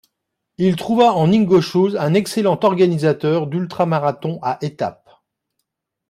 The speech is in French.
Il trouva en Ingo Schulze un excellent organisateur d’ultramarathon à étapes.